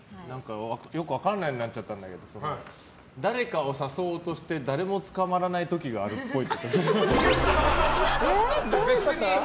よく分かんなくなっちゃったんだけど誰かを誘おうとして誰もつかまらない時があるっぽい。